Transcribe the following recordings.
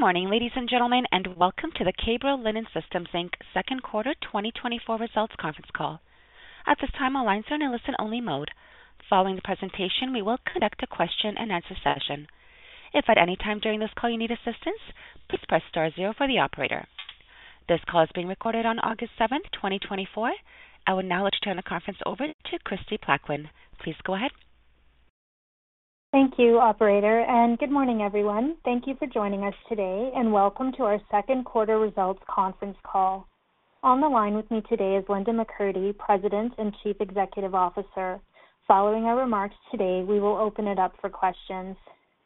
Good morning, ladies and gentlemen, and welcome to the K-Bro Linen Systems Inc.'s Second Quarter 2024 Results Conference Call. At this time, all lines are in a listen-only mode. Following the presentation, we will conduct a question-and-answer session. If at any time during this call you need assistance, please press star zero for the operator. This call is being recorded on August 7, 2024. I will now let's turn the conference over to Kristie Plaquin. Please go ahead. Thank you, operator, and good morning, everyone. Thank you for joining us today, and welcome to our second quarter results conference call. On the line with me today is Linda McCurdy, President and Chief Executive Officer. Following our remarks today, we will open it up for questions.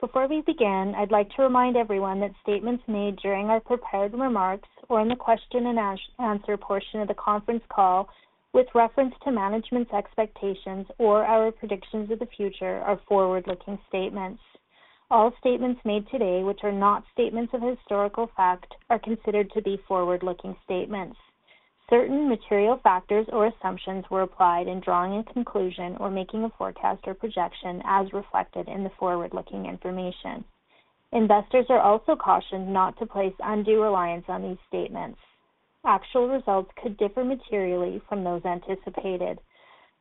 Before we begin, I'd like to remind everyone that statements made during our prepared remarks or in the question-and-answer portion of the conference call with reference to management's expectations or our predictions of the future are forward-looking statements. All statements made today, which are not statements of historical fact, are considered to be forward-looking statements. Certain material factors or assumptions were applied in drawing a conclusion or making a forecast or projection as reflected in the forward-looking information. Investors are also cautioned not to place undue reliance on these statements. Actual results could differ materially from those anticipated.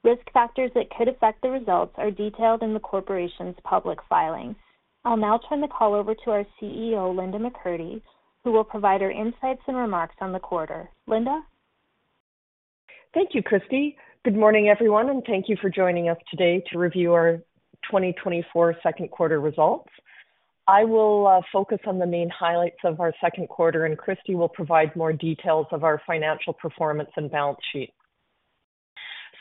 Risk factors that could affect the results are detailed in the corporation's public filings. I'll now turn the call over to our CEO, Linda McCurdy, who will provide her insights and remarks on the quarter. Linda? Thank you, Kristie. Good morning, everyone, and thank you for joining us today to review our 2024 second quarter results. I will focus on the main highlights of our second quarter, and Kristie will provide more details of our financial performance and balance sheet.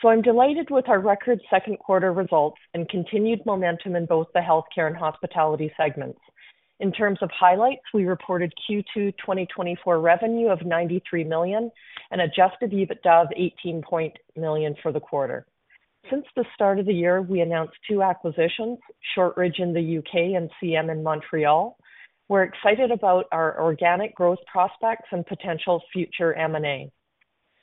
I'm delighted with our record second quarter results and continued momentum in both the healthcare and hospitality segments. In terms of highlights, we reported Q2 2024 revenue of 93 million and adjusted EBITDA of 18 million for the quarter. Since the start of the year, we announced 2 acquisitions, Shortridge in the U.K. and CM in Montreal. We're excited about our organic growth prospects and potential future M&A.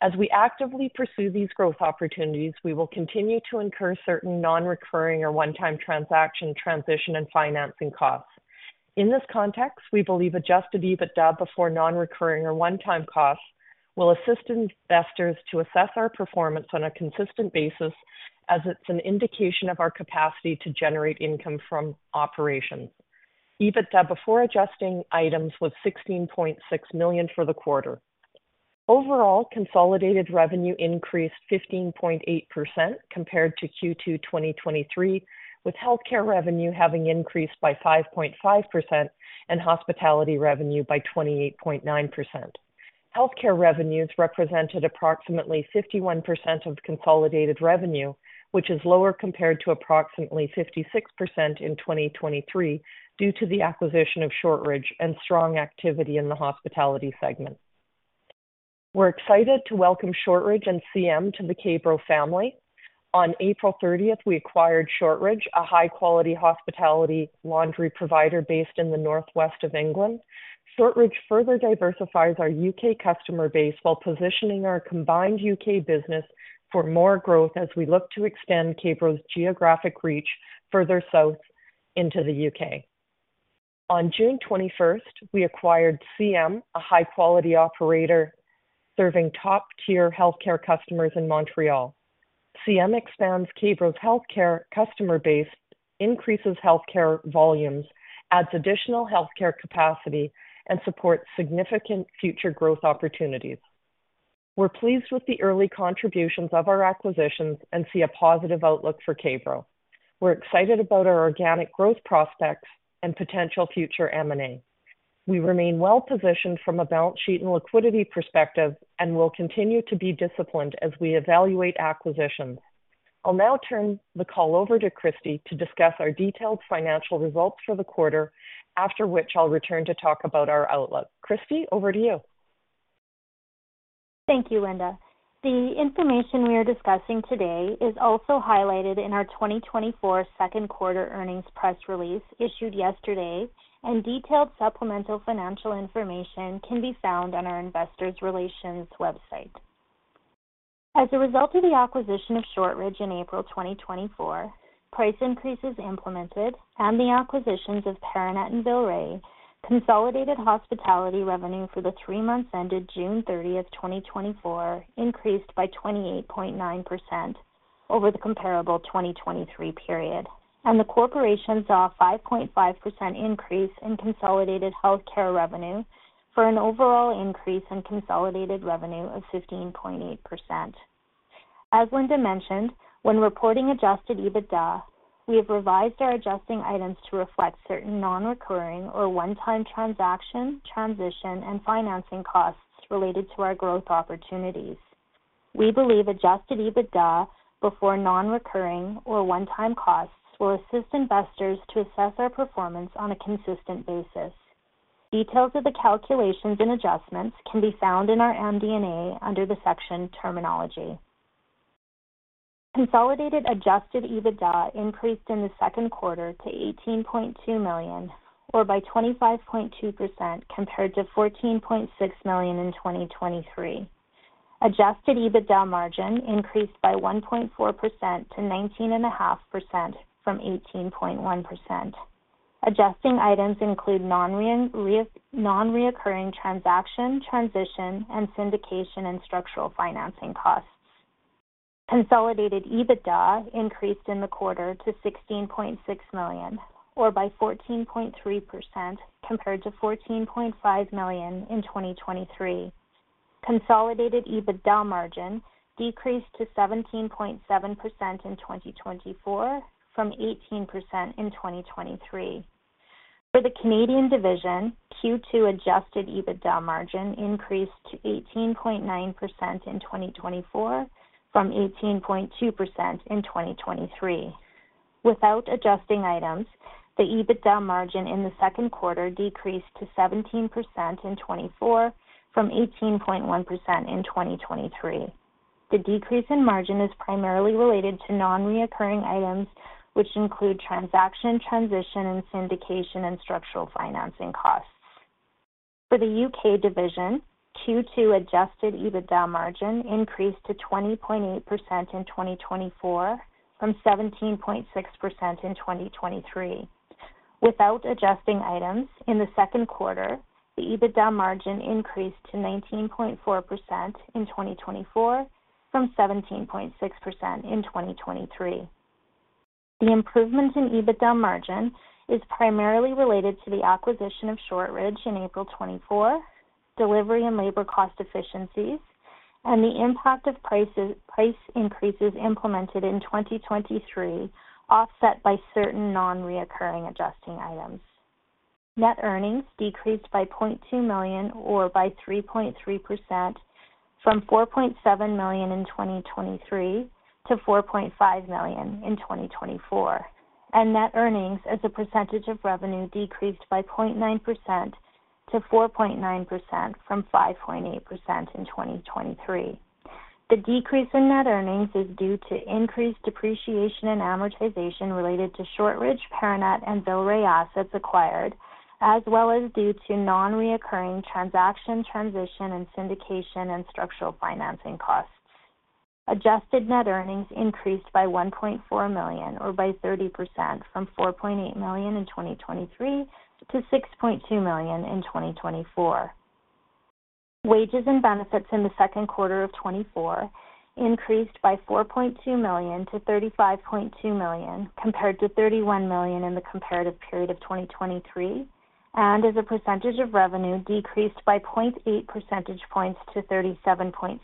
As we actively pursue these growth opportunities, we will continue to incur certain non-recurring or one-time transaction, transition, and financing costs. In this context, we believe adjusted EBITDA before non-recurring or one-time costs will assist investors to assess our performance on a consistent basis as it's an indication of our capacity to generate income from operations. EBITDA before adjusting items was 16.6 million for the quarter. Overall, consolidated revenue increased 15.8% compared to Q2 2023, with healthcare revenue having increased by 5.5% and hospitality revenue by 28.9%. Healthcare revenues represented approximately 51% of consolidated revenue, which is lower compared to approximately 56% in 2023, due to the acquisition of Shortridge and strong activity in the hospitality segment. We're excited to welcome Shortridge and CM to the K-Bro family. On April 30, we acquired Shortridge, a high-quality hospitality laundry provider based in the Northwest of England. Shortridge further diversifies our U.K. customer base while positioning our combined U.K. business for more growth as we look to extend K-Bro's geographic reach further south into the U.K.. On June twenty-first, we acquired CM, a high-quality operator serving top-tier healthcare customers in Montreal. CM expands K-Bro's healthcare customer base, increases healthcare volumes, adds additional healthcare capacity, and supports significant future growth opportunities. We're pleased with the early contributions of our acquisitions and see a positive outlook for K-Bro. We're excited about our organic growth prospects and potential future M&A. We remain well-positioned from a balance sheet and liquidity perspective and will continue to be disciplined as we evaluate acquisitions. I'll now turn the call over to Kristie to discuss our detailed financial results for the quarter, after which I'll return to talk about our outlook. Kristie, over to you. Thank you, Linda. The information we are discussing today is also highlighted in our 2024 second quarter earnings press release, issued yesterday, and detailed supplemental financial information can be found on our investor's relations website. As a result of the acquisition of Shortridge in April 2024, price increases implemented and the acquisitions of Paranet and Villeray, consolidated hospitality revenue for the three months ended June 30, 2024, increased by 28.9% over the comparable 2023 period, and the corporation saw a 5.5% increase in consolidated healthcare revenue for an overall increase in consolidated revenue of 15.8%. As Linda mentioned, when reporting adjusted EBITDA, we have revised our adjusting items to reflect certain non-recurring or one-time transaction, transition, and financing costs related to our growth opportunities. We believe adjusted EBITDA before non-recurring or one-time costs will assist investors to assess our performance on a consistent basis. Details of the calculations and adjustments can be found in our MD&A under the section terminology. Consolidated adjusted EBITDA increased in the second quarter to 18.2 million, or by 25.2% compared to 14.6 million in 2023. Adjusted EBITDA margin increased by 1.4% to 19.5% from 18.1%. Adjusting items include nonrecurring transaction, transition, and syndication and structural financing costs. Consolidated EBITDA increased in the quarter to 16.6 million, or by 14.3% compared to 14.5 million in 2023. Consolidated EBITDA margin decreased to 17.7% in 2024 from 18% in 2023. For the Canadian division, Q2 adjusted EBITDA margin increased to 18.9% in 2024 from 18.2% in 2023. Without adjusting items, the EBITDA margin in the second quarter decreased to 17% in 2024 from 18.1% in 2023. The decrease in margin is primarily related to nonrecurring items, which include transaction, transition, and syndication, and structural financing costs. For the U.K. division, Q2 adjusted EBITDA margin increased to 20.8% in 2024 from 17.6% in 2023. Without adjusting items, in the second quarter, the EBITDA margin increased to 19.4% in 2024 from 17.6% in 2023. The improvement in EBITDA margin is primarily related to the acquisition of Shortridge in April 2024, delivery and labor cost efficiencies, and the impact of price increases implemented in 2023, offset by certain nonrecurring adjusting items. Net earnings decreased by 0.2 million, or by 3.3%, from 4.7 million in 2023 to 4.5 million in 2024, and net earnings as a percentage of revenue decreased by 0.9% to 4.9% from 5.8% in 2023. The decrease in net earnings is due to increased depreciation and amortization related to Shortridge, Paranet, and Villeray assets acquired, as well as due to nonrecurring transaction, transition, and syndication and structural financing costs. Adjusted net earnings increased by 1.4 million, or by 30%, from 4.8 million in 2023 to 6.2 million in 2024. Wages and benefits in the second quarter of 2024 increased by 4.2 million to 35.2 million, compared to 31 million in the comparative period of 2023, and as a percentage of revenue, decreased by 0.8 percentage points to 37.6%.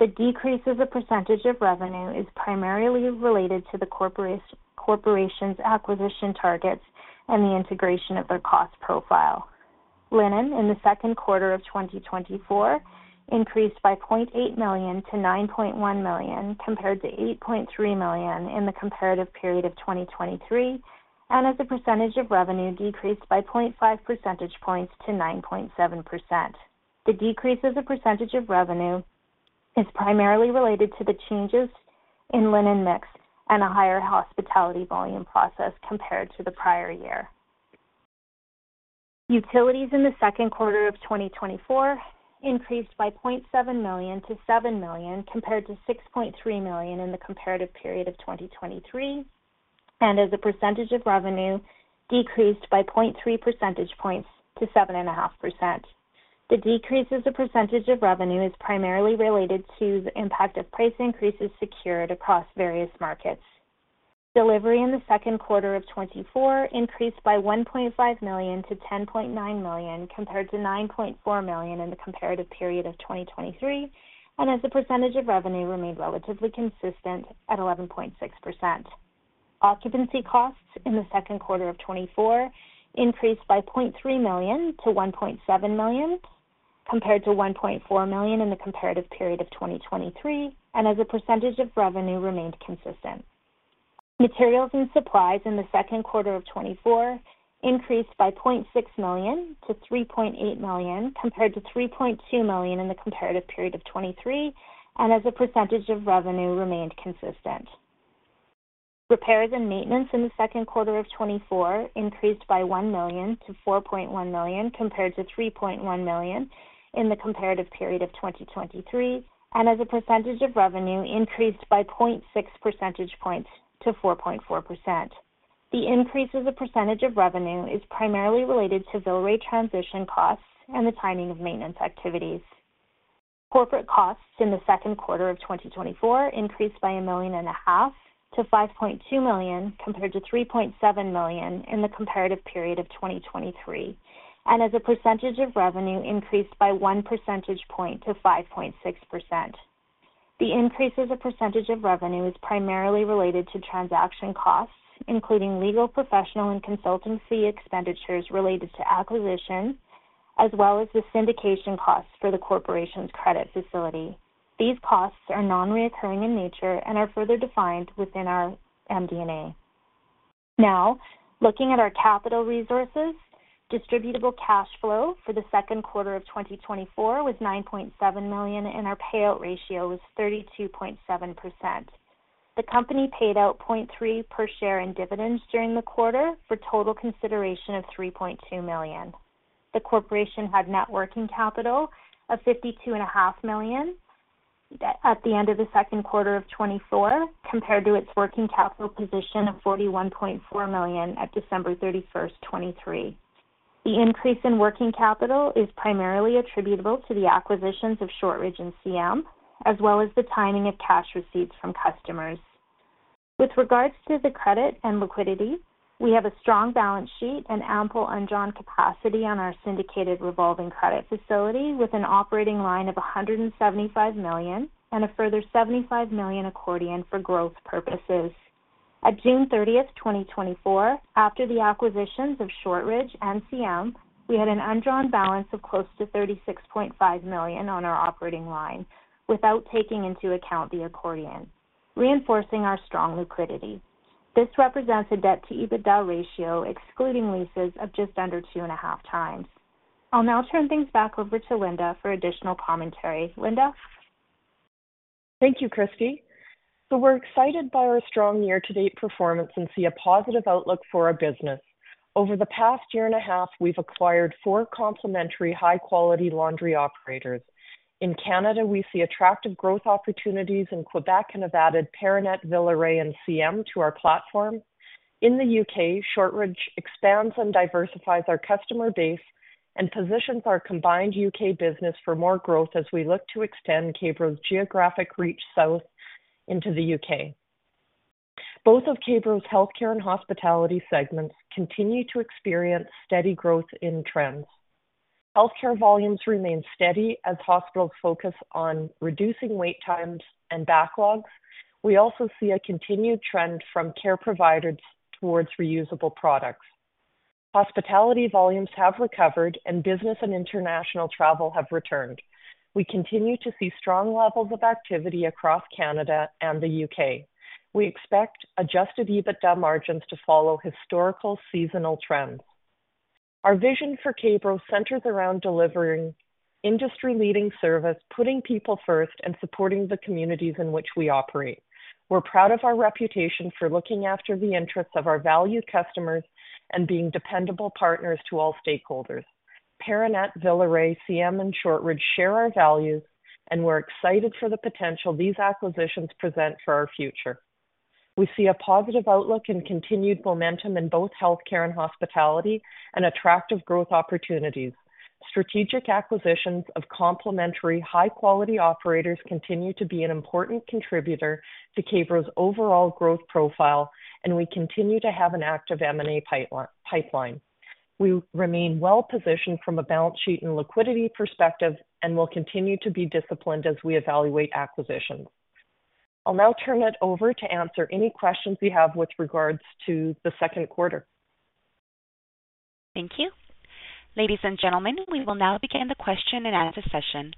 The decrease as a percentage of revenue is primarily related to the corporation's acquisition targets and the integration of their cost profile. Linen in the second quarter of 2024 increased by 0.8 million to 9.1 million, compared to 8.3 million in the comparative period of 2023, and as a percentage of revenue, decreased by 0.5 percentage points to 9.7%. The decrease as a percentage of revenue is primarily related to the changes in linen mix and a higher hospitality volume process compared to the prior year. Utilities in the second quarter of 2024 increased by 0.7 million to 7 million, compared to 6.3 million in the comparative period of 2023, and as a percentage of revenue, decreased by 0.3 percentage points to 7.5%. The decrease as a percentage of revenue is primarily related to the impact of price increases secured across various markets. Delivery in the second quarter of 2024 increased by 1.5 million to 10.9 million, compared to 9.4 million in the comparative period of 2023, and as a percentage of revenue, remained relatively consistent at 11.6%. Occupancy costs in the second quarter of 2024 increased by 0.3 million to 1.7 million, compared to 1.4 million in the comparative period of 2023, and as a percentage of revenue, remained consistent. Materials and supplies in the second quarter of 2024 increased by 0.6 million to 3.8 million, compared to 3.2 million in the comparative period of 2023, and as a percentage of revenue, remained consistent. Repairs and maintenance in the second quarter of 2024 increased by 1 million to 4.1 million, compared to 3.1 million in the comparative period of 2023, and as a percentage of revenue, increased by 0.6 percentage points to 4.4%. The increase as a percentage of revenue is primarily related to Villeray transition costs and the timing of maintenance activities. Corporate costs in the second quarter of 2024 increased by 1.5 million to 5.2 million, compared to 3.7 million in the comparative period of 2023, and as a percentage of revenue, increased by 1 percentage point to 5.6%. The increase as a percentage of revenue is primarily related to transaction costs, including legal, professional, and consultancy expenditures related to acquisition, as well as the syndication costs for the corporation's credit facility. These costs are non-recurring in nature and are further defined within our MD&A. Now, looking at our capital resources, distributable cash flow for the second quarter of 2024 was 9.7 million, and our payout ratio was 32.7%. The company paid out 0.3 per share in dividends during the quarter, for total consideration of 3.2 million. The corporation had net working capital of 52.5 million at the end of the second quarter of 2024, compared to its working capital position of 41.4 million at December 31, 2023. The increase in working capital is primarily attributable to the acquisitions of Shortridge and CM, as well as the timing of cash receipts from customers. With regards to the credit and liquidity, we have a strong balance sheet and ample undrawn capacity on our syndicated revolving credit facility, with an operating line of 175 million and a further 75 million accordion for growth purposes. At June 30, 2024, after the acquisitions of Shortridge and CM, we had an undrawn balance of close to 36.5 million on our operating line, without taking into account the accordion, reinforcing our strong liquidity. This represents a debt-to-EBITDA ratio, excluding leases, of just under 2.5x. I'll now turn things back over to Linda for additional commentary. Linda? Thank you, Kristie. So we're excited by our strong year-to-date performance and see a positive outlook for our business. Over the past year and a half, we've acquired four complementary, high-quality laundry operators. In Canada, we see attractive growth opportunities in Quebec and have added Paranet, Villeray, and CM to our platform. In the U.K., Shortridge expands and diversifies our customer base and positions our combined U.K. business for more growth as we look to extend K-Bro's geographic reach south into the U.K. Both of K-Bro's healthcare and hospitality segments continue to experience steady growth in trends. Healthcare volumes remain steady as hospitals focus on reducing wait times and backlogs. We also see a continued trend from care providers towards reusable products. Hospitality volumes have recovered, and business and international travel have returned. We continue to see strong levels of activity across Canada and the U.K. We expect adjusted EBITDA margins to follow historical seasonal trends. Our vision for K-Bro centers around delivering industry-leading service, putting people first, and supporting the communities in which we operate. We're proud of our reputation for looking after the interests of our valued customers and being dependable partners to all stakeholders. Paranet, Villeray, CM, and Shortridge share our values, and we're excited for the potential these acquisitions present for our future. We see a positive outlook and continued momentum in both healthcare and hospitality and attractive growth opportunities. Strategic acquisitions of complementary, high-quality operators continue to be an important contributor to K-Bro's overall growth profile, and we continue to have an active M&A pipeline. We remain well positioned from a balance sheet and liquidity perspective and will continue to be disciplined as we evaluate acquisitions. I'll now turn it over to answer any questions you have with regards to the second quarter. Thank you. Ladies and gentlemen, we will now begin the question-and-answer session.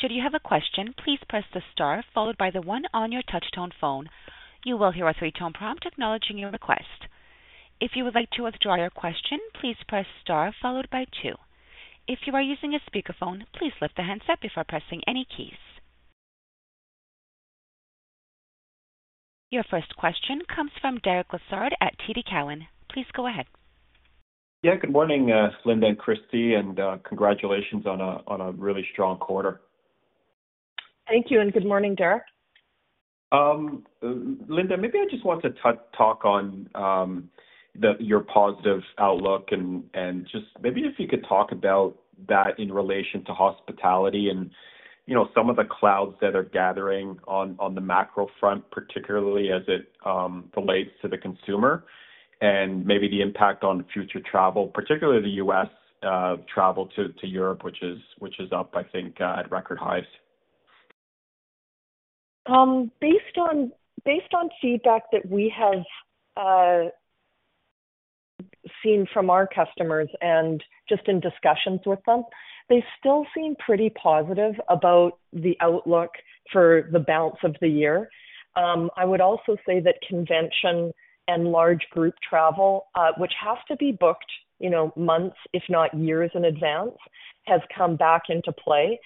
Should you have a question, please press the star followed by the one on your touch tone phone. You will hear a three-tone prompt acknowledging your request. If you would like to withdraw your question, please press star followed by two. If you are using a speakerphone, please lift the handset before pressing any keys. Your first question comes from Derek Lessard at TD Cowen. Please go ahead. Yeah, good morning, Linda and Kristie, and congratulations on a really strong quarter. Thank you, and good morning, Derek. Linda, maybe I just want to talk on the your positive outlook and just maybe if you could talk about that in relation to hospitality and, you know, some of the clouds that are gathering on the macro front, particularly as it relates to the consumer and maybe the impact on future travel, particularly the U.S. travel to Europe, which is up, I think, at record highs. Based on, based on feedback that we have seen from our customers and just in discussions with them, they still seem pretty positive about the outlook for the balance of the year. I would also say that convention and large group travel, which has to be booked, you know, months, if not years in advance, has come back into play.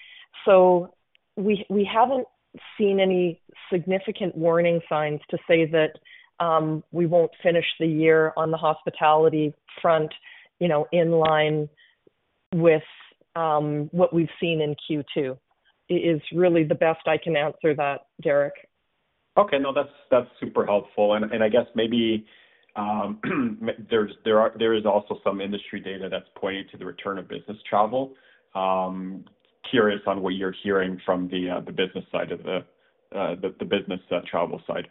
So we haven't seen any significant warning signs to say that we won't finish the year on the hospitality front, you know, in line with what we've seen in Q2, is really the best I can answer that, Derek. Okay. No, that's, that's super helpful. And, and I guess maybe, there is also some industry data that's pointing to the return of business travel. Curious on what you're hearing from the business side of the business travel side.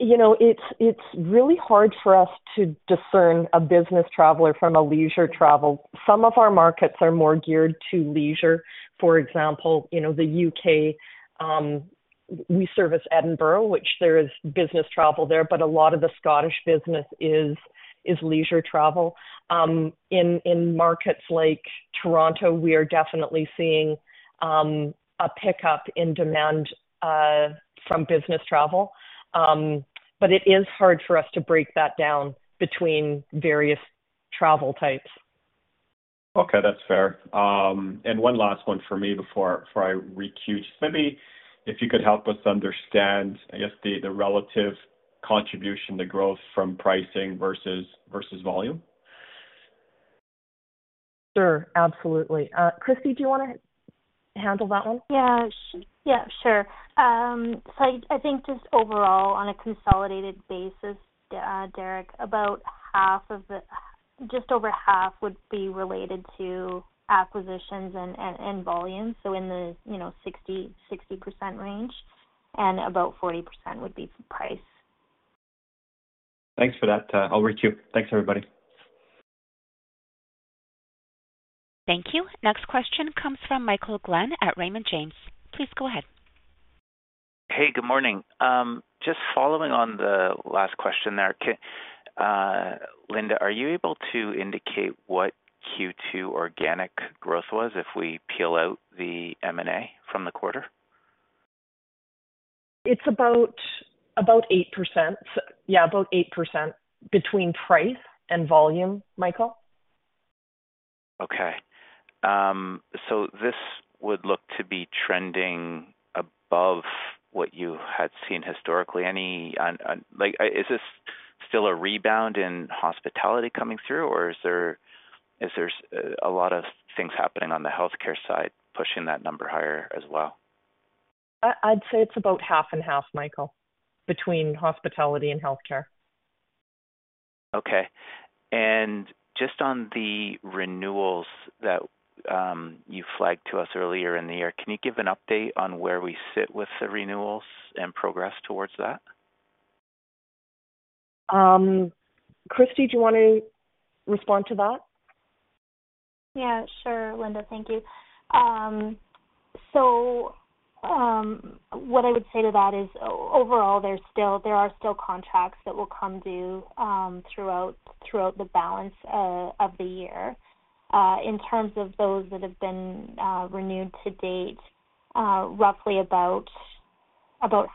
You know, it's really hard for us to discern a business traveler from a leisure travel. Some of our markets are more geared to leisure. For example, you know, the U.K., we service Edinburgh, which there is business travel there, but a lot of the Scottish business is leisure travel. In markets like Toronto, we are definitely seeing a pickup in demand from business travel, but it is hard for us to break that down between various travel types.... Okay, that's fair. One last one for me before I requeue. Maybe if you could help us understand, I guess, the relative contribution to growth from pricing versus volume. Sure, absolutely. Kristie, do you wanna handle that one? Yeah. Yeah, sure. So I think just overall, on a consolidated basis, Derek, about half of the—just over half would be related to acquisitions and volume, so in the, you know, 60-60% range, and about 40% would be price. Thanks for that. I'll requeue. Thanks, everybody. Thank you. Next question comes from Michael Glen at Raymond James. Please go ahead. Hey, good morning. Just following on the last question there, Linda, are you able to indicate what Q2 organic growth was if we peel out the M&A from the quarter? It's about 8%. Yeah, about 8% between price and volume, Michael. Okay, so this would look to be trending above what you had seen historically. Any, like, is this still a rebound in hospitality coming through, or is there a lot of things happening on the healthcare side, pushing that number higher as well? I'd say it's about half and half, Michael, between hospitality and healthcare. Okay. Just on the renewals that you flagged to us earlier in the year, can you give an update on where we sit with the renewals and progress towards that? Kristie, do you want to respond to that? Yeah, sure, Linda, thank you. So, what I would say to that is overall, there are still contracts that will come due throughout the balance of the year. In terms of those that have been renewed to date, roughly about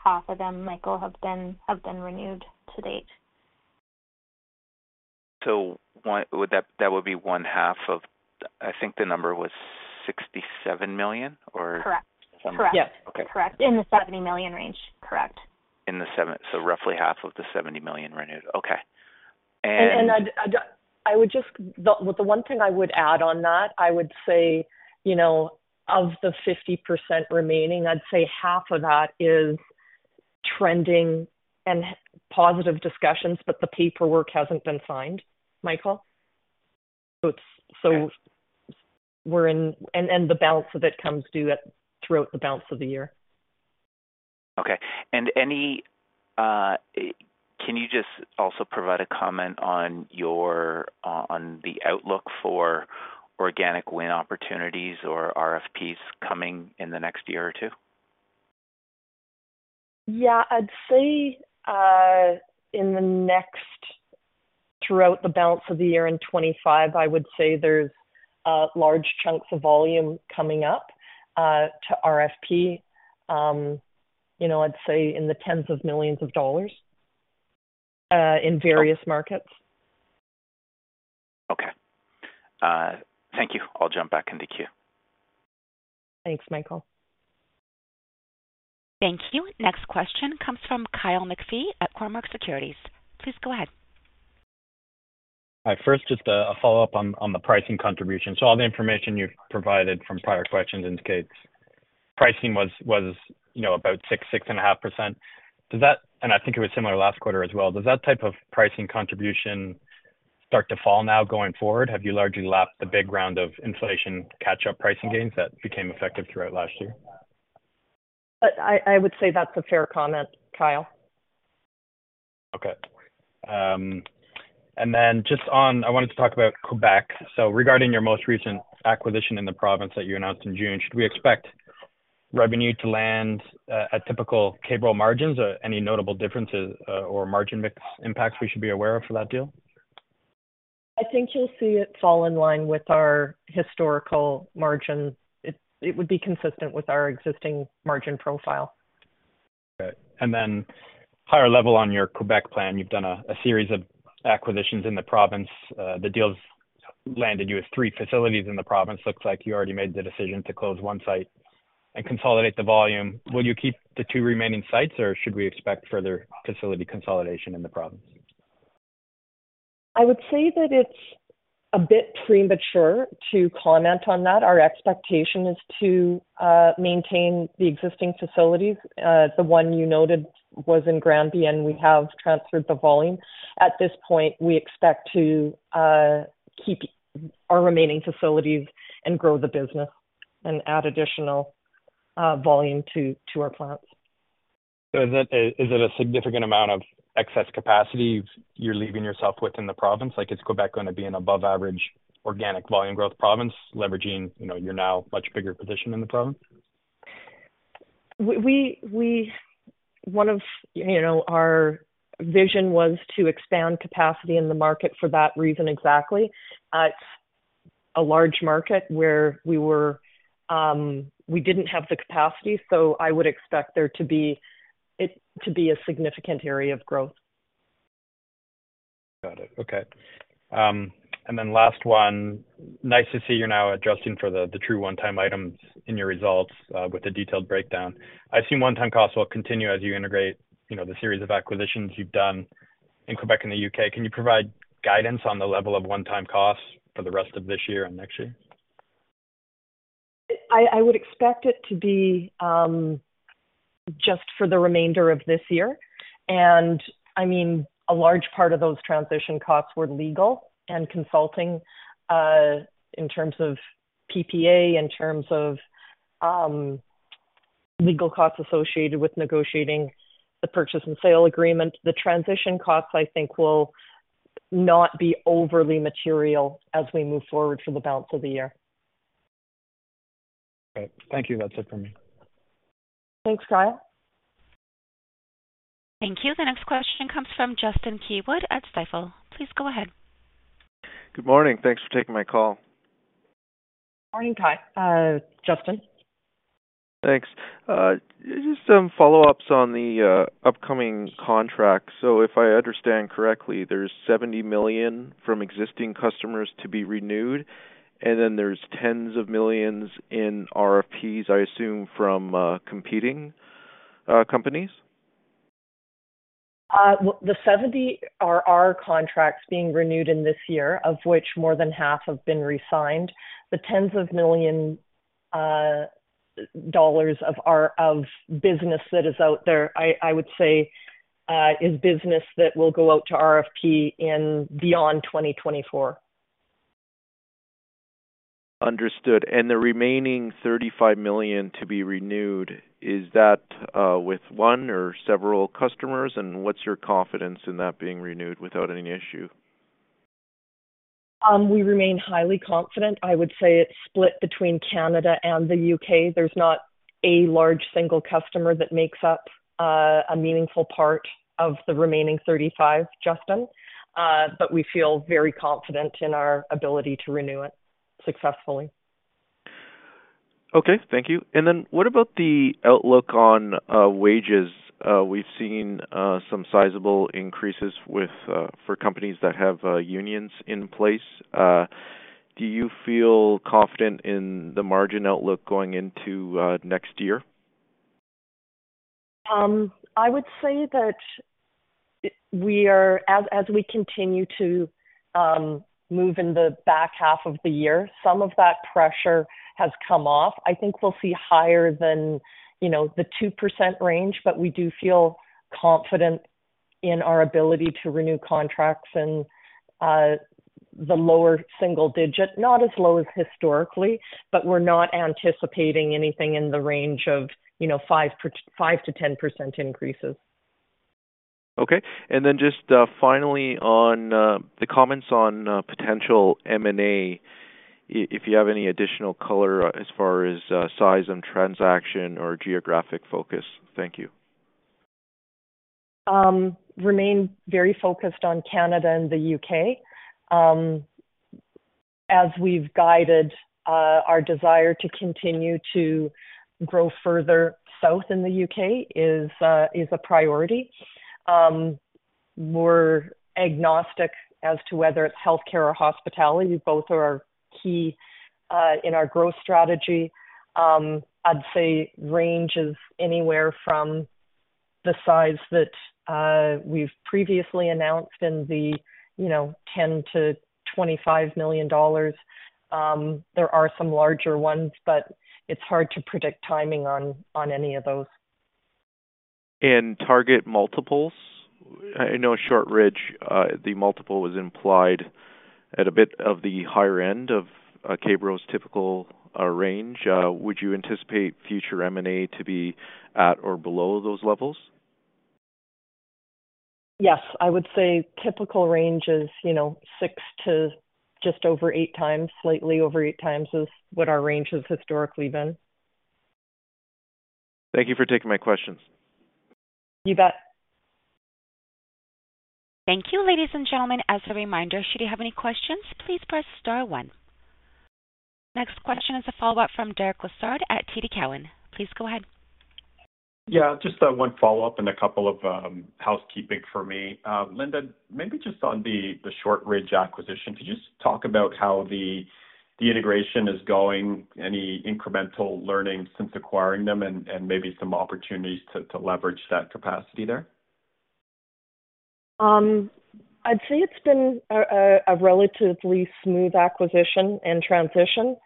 half of them, Michael, have been renewed to date. So, would that, that would be one half of, I think, the number was 67 million or? Correct. Correct. Yes. Correct. Okay. In the 70 million range. Correct. So roughly half of the 70 million renewed. Okay, and- And I'd just... The one thing I would add on that, I would say, you know, of the 50% remaining, I'd say half of that is trending and positive discussions, but the paperwork hasn't been signed, Michael. So it's so- Okay. We're in... And the balance of it comes due at, throughout the balance of the year. Okay. And any, can you just also provide a comment on your, on the outlook for organic win opportunities or RFPs coming in the next year or two? Yeah, I'd say throughout the balance of the year, in 2025, I would say there's large chunks of volume coming up to RFP, you know, I'd say CAD tens of millions in various markets. Okay. Thank you. I'll jump back in the queue. Thanks, Michael. Thank you. Next question comes from Kyle McPhee at Cormark Securities. Please go ahead. Hi. First, just a follow-up on the pricing contribution. So all the information you've provided from prior questions indicates pricing was, you know, about 6.5%. Does that? And I think it was similar last quarter as well. Does that type of pricing contribution start to fall now going forward? Have you largely lapped the big round of inflation catch-up pricing gains that became effective throughout last year? I would say that's a fair comment, Kyle. Okay. And then just on... I wanted to talk about Quebec. So regarding your most recent acquisition in the province that you announced in June, should we expect revenue to land at typical K-Bro margins? Or any notable differences or margin mix impacts we should be aware of for that deal? I think you'll see it fall in line with our historical margin. It would be consistent with our existing margin profile. Okay. And then higher level on your Quebec plan. You've done a series of acquisitions in the province. The deals landed you with three facilities in the province. Looks like you already made the decision to close one site and consolidate the volume. Will you keep the two remaining sites, or should we expect further facility consolidation in the province? I would say that it's a bit premature to comment on that. Our expectation is to maintain the existing facilities. The one you noted was in Granby, and we have transferred the volume. At this point, we expect to keep our remaining facilities and grow the business and add additional volume to our plants. So is it a significant amount of excess capacity you're leaving yourself with in the province? Like, is Quebec going to be an above average organic volume growth province, leveraging, you know, your now much bigger position in the province? One of, you know, our vision was to expand capacity in the market for that reason exactly. It's a large market where we were, we didn't have the capacity, so I would expect there to be, it to be a significant area of growth.... Got it. Okay. And then last one. Nice to see you're now adjusting for the true one-time items in your results with the detailed breakdown. I've seen one-time costs will continue as you integrate, you know, the series of acquisitions you've done in Quebec and the U.K.. Can you provide guidance on the level of one-time costs for the rest of this year and next year? I would expect it to be just for the remainder of this year, and I mean, a large part of those transition costs were legal and consulting, in terms of PPA, in terms of legal costs associated with negotiating the purchase and sale agreement. The transition costs, I think, will not be overly material as we move forward for the balance of the year. Great. Thank you. That's it for me. Thanks, Kyle. Thank you. The next question comes from Justin Keywood at Stifel. Please go ahead. Good morning. Thanks for taking my call. Morning, Kyle, Justin. Thanks. Just some follow-ups on the upcoming contract. So if I understand correctly, there's 70 million from existing customers to be renewed, and then there's CAD tens of millions in RFPs, I assume, from competing companies? The 70 are our contracts being renewed in this year, of which more than half have been re-signed. The tens of millions CAD of our business that is out there, I would say, is business that will go out to RFP in beyond 2024. Understood. And the remaining 35 million to be renewed, is that with one or several customers? And what's your confidence in that being renewed without any issue? We remain highly confident. I would say it's split between Canada and the U.K.. There's not a large single customer that makes up a meaningful part of the remaining 35, Justin, but we feel very confident in our ability to renew it successfully. Okay, thank you. And then what about the outlook on wages? We've seen some sizable increases with for companies that have unions in place. Do you feel confident in the margin outlook going into next year? I would say that we are... As we continue to move in the back half of the year, some of that pressure has come off. I think we'll see higher than, you know, the 2% range, but we do feel confident in our ability to renew contracts and the lower single digit. Not as low as historically, but we're not anticipating anything in the range of, you know, 5%-10% increases. Okay. And then just, finally on the comments on potential M&A, if you have any additional color as far as size and transaction or geographic focus. Thank you. Remain very focused on Canada and the U.K.. As we've guided, our desire to continue to grow further south in the U.K. is a, is a priority. We're agnostic as to whether it's healthcare or hospitality. Both are our key in our growth strategy. I'd say range is anywhere from the size that we've previously announced in the, you know, 10 million-25 million dollars. There are some larger ones, but it's hard to predict timing on any of those. Target multiples? I know Shortridge, the multiple was implied at a bit of the higher end of K-Bro's typical range. Would you anticipate future M&A to be at or below those levels? Yes, I would say typical range is, you know, 6x to just over 8x, slightly over 8x, is what our range has historically been. Thank you for taking my questions. You bet. Thank you, ladies and gentlemen. As a reminder, should you have any questions, please press star one. Next question is a follow-up from Derek Lessard at TD Cowen. Please go ahead. Yeah, just one follow-up and a couple of housekeeping for me. Linda, maybe just on the Shortridge acquisition, could you just talk about how the integration is going, any incremental learning since acquiring them and maybe some opportunities to leverage that capacity there? I'd say it's been a relatively smooth acquisition and transition.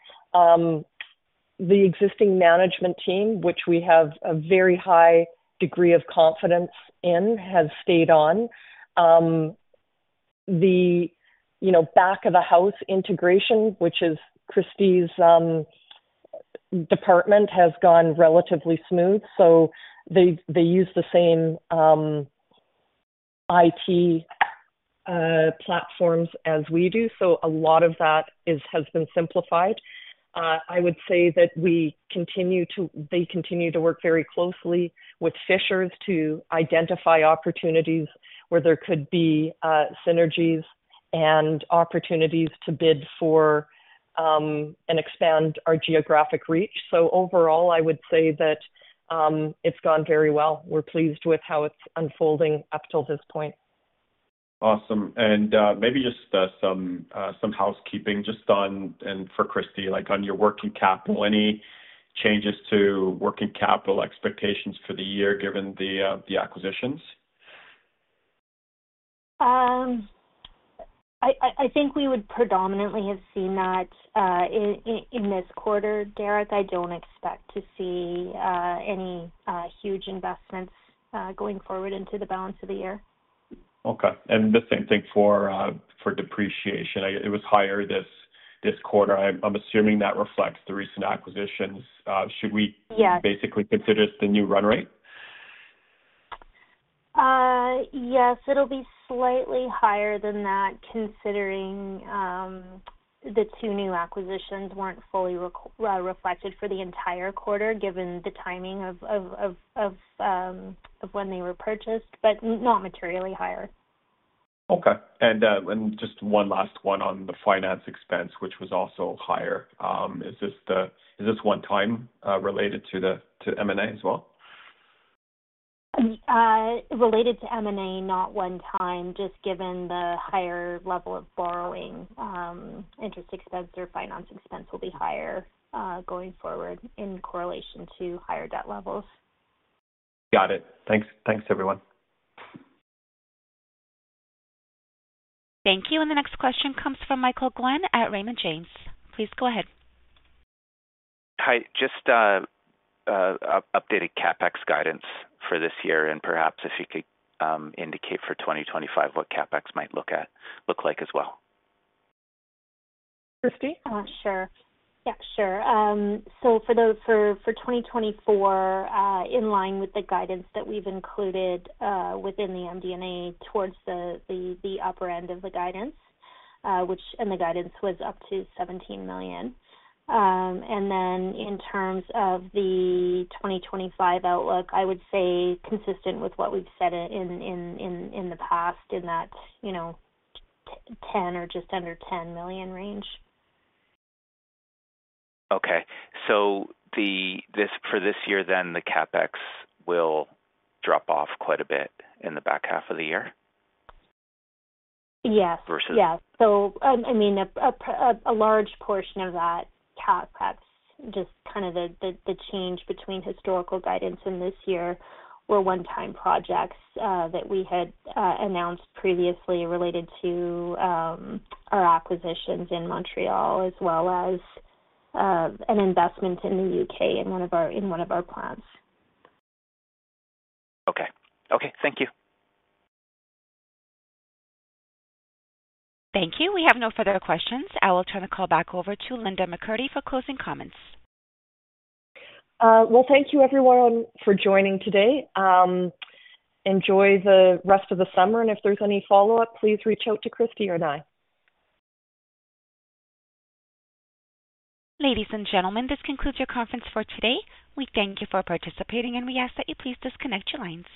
The existing management team, which we have a very high degree of confidence in, has stayed on. You know, the back of the house integration, which is Kristie’s department, has gone relatively smooth, so they use the same IT platforms as we do, so a lot of that has been simplified. I would say that they continue to work very closely with Fishers to identify opportunities where there could be synergies... and opportunities to bid for and expand our geographic reach. So overall, I would say that it's gone very well. We're pleased with how it's unfolding up till this point. Awesome. Maybe just some housekeeping just on, and for Kristie, like, on your working capital. Any changes to working capital expectations for the year, given the acquisitions? I think we would predominantly have seen that in this quarter, Derek. I don't expect to see any huge investments going forward into the balance of the year. Okay. And the same thing for depreciation. It was higher this quarter. I'm assuming that reflects the recent acquisitions. Should we- Yes. -basically consider this the new run rate? Yes, it'll be slightly higher than that, considering the two new acquisitions weren't fully reflected for the entire quarter, given the timing of when they were purchased, but not materially higher. Okay. And just one last one on the finance expense, which was also higher. Is this the, is this one time, related to the, to M&A as well? Related to M&A, not one time. Just given the higher level of borrowing, interest expense or finance expense will be higher, going forward in correlation to higher debt levels. Got it. Thanks. Thanks, everyone. Thank you. And the next question comes from Michael Glen at Raymond James. Please go ahead. Hi, just updated CapEx guidance for this year, and perhaps if you could indicate for 2025 what CapEx might look like as well. Christy? Sure. Yeah, sure. So for those for 2024, in line with the guidance that we've included within the MD&A towards the upper end of the guidance, which... And the guidance was up to 17 million. And then in terms of the 2025 outlook, I would say consistent with what we've said in the past, in that, you know, 10 or just under 10 million range. Okay. So this, for this year, then the CapEx will drop off quite a bit in the back half of the year? Yes. Versus- Yeah. So, I mean, a large portion of that CapEx, just kind of the change between historical guidance and this year, were one-time projects that we had announced previously related to our acquisitions in Montreal, as well as an investment in the U.K. in one of our plants. Okay. Okay, thank you. Thank you. We have no further questions. I will turn the call back over to Linda McCurdy for closing comments. Well, thank you everyone for joining today. Enjoy the rest of the summer, and if there's any follow-up, please reach out to Kristie or I. Ladies and gentlemen, this concludes your conference for today. We thank you for participating, and we ask that you please disconnect your lines.